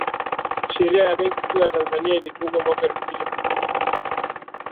sheria ya benki kuu ya tanzania ilitungwa mwaka elfu mbili na sita